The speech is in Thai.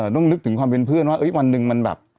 นึกถึงความเป็นเพื่อนว่าวันหนึ่งมันแบบ